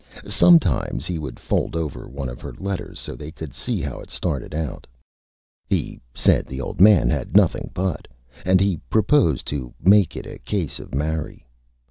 Sometimes he would fold over one of her Letters so they could see how it started out. He said the Old Man had Nothing But, and he proposed to make it a case of Marry.